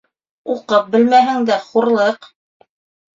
Уҡып белмәһәң дә хурлыҡ.